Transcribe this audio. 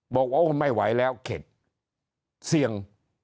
บอกโอ้ไม่ไหวแล้วเข็ดเสี่ยง